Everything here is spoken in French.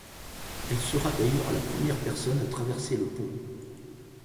Elle sera d'ailleurs la première personne à traverser le pont.